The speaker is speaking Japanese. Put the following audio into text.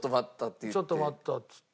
「ちょっと待った」って言って。